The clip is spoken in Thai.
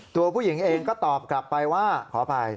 ตัวผู้หญิงเองก็ตอบกลับไปว่าขออภัย